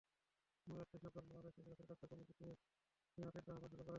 শোনা যাচ্ছে শেভরন বাংলাদেশ থেকে তাদের কার্যক্রম গুটিয়ে নেওয়ার চিন্তাভাবনা শুরু করেছে।